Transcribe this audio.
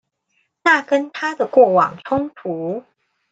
那跟他的過往衝突